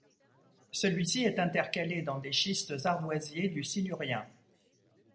Celui-ci est intercalé dans des schistes ardoisiers du silurien.